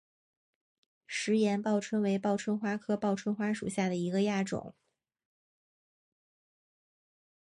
石岩报春为报春花科报春花属下的一个亚种。